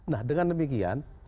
nah dengan demikian